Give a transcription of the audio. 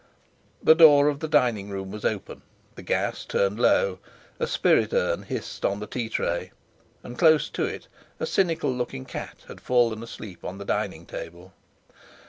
The door of the dining room was open, the gas turned low; a spirit urn hissed on a tea tray, and close to it a cynical looking cat had fallen asleep on the dining table.